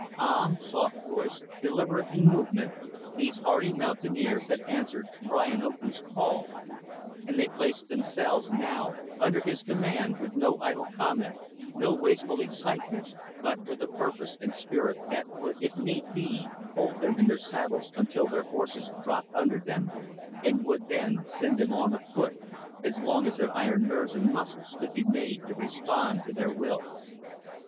Calm eyed, soft voiced, deliberate in movement, these hardy mountaineers had answered Brian Oakley's call; and they placed themselves, now, under his command, with no idle comment, no wasteful excitement but with a purpose and spirit that would, if need be, hold them in their saddles until their horses dropped under them, and would, then, send them on, afoot, as long as their iron nerves and muscles could be made to respond to their wills.